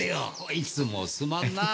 いつもすまんな。